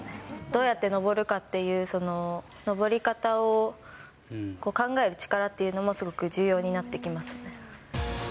どうやって登るかっていう、登り方を、考える力というのも、すごく重要になってきますね。